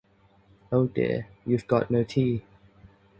Oh dear, you've got no tea!